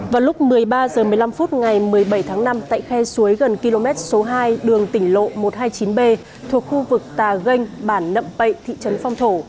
vào lúc một mươi ba h một mươi năm phút ngày một mươi bảy tháng năm tại khe suối gần km số hai đường tỉnh lộ một trăm hai mươi chín b thuộc khu vực tà ganh bản nậm pậy thị trấn phong thổ